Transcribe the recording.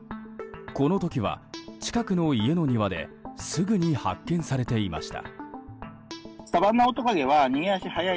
この時は近くの家の庭ですぐに発見されていました。